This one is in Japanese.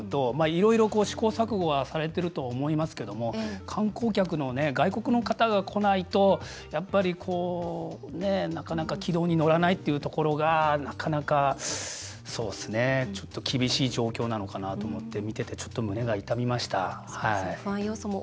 いろいろ、試行錯誤はされていると思いますけど観光客の外国の方が来ないと、やっぱりなかなか軌道に乗らないってところがなかなか、厳しい状況なのかなと思って、見ていて胸が痛みました。